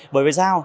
bởi vì sao